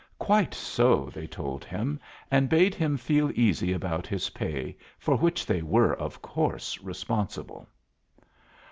Quite so, they told him, and bade him feel easy about his pay, for which they were, of course, responsible.